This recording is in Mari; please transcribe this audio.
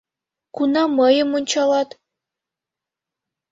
Кунам мыйым ончалат?